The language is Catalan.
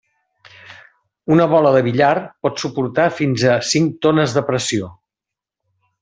Una bola de billar pot suportar fins a cinc tones de pressió.